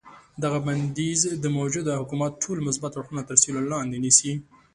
دغه بندیز د موجوده حکومت ټول مثبت اړخونه تر سیوري لاندې نیسي.